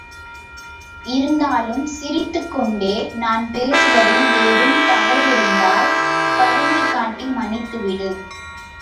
இருந்தாலும் சிரித்துக் கொண்டே, நான் பேசுவதில் ஏதும் தவறிருந்தால், கருணைகாட்டி மன்னித்து விடு.